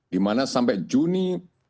dimana sampai juni